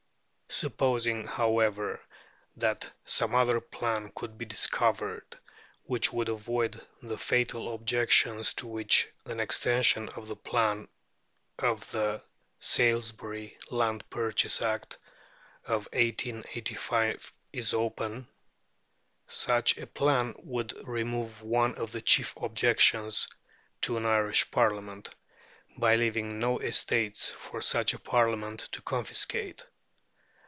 Supposing, however, that some other plan could be discovered, which would avoid the fatal objections to which an extension of the plan of the (Salisbury) Land Purchase Act of 1885 is open, such a plan would remove one of the chief objections to an Irish Parliament, by leaving no estates for such a Parliament to confiscate.